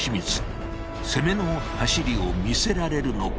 攻めの走りを見せられるのか。